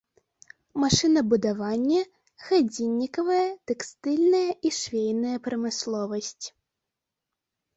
Машынабудаванне, гадзіннікавая, тэкстыльная і швейная прамысловасць.